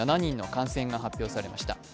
感染が発表されました。